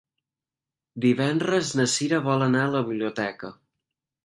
Divendres na Cira vol anar a la biblioteca.